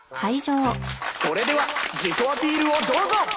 それでは自己アピールをどうぞ！